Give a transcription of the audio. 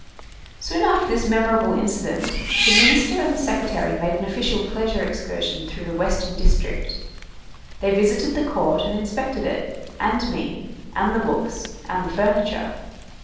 Soon after this memorable incident, the Minister and Secretary made an official pleasure excursion through the Western District. They visited the court and inspected it, and me, and the books, and the furniture.